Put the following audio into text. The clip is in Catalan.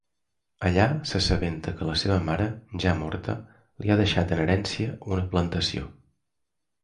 Allà s'assabenta que la seva mare, ja morta, li ha deixat en herència una plantació.